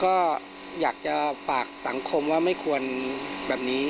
ก็อยากจะฝากสังคมว่าไม่ควรแบบนี้